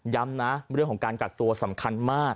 นะเรื่องของการกักตัวสำคัญมาก